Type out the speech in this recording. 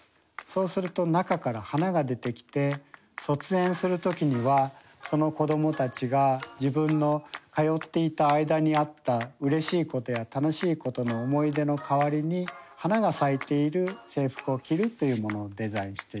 そうすると中から花が出てきて卒園する時にはその子どもたちが自分の通っていた間にあったうれしいことや楽しいことの思い出の代わりに花が咲いている制服を着るというものをデザインしています。